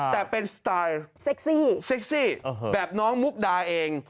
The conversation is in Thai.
แต่เป็นสไตล์เซ็กซี่แบบน้องมุกดาเอง